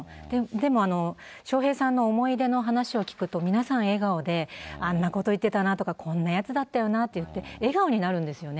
でも笑瓶さんの思い出の話を聞くと、皆さん笑顔で、あんなこと言ってたなとか、こんなやつだったよなって言って、笑顔になるんですよね。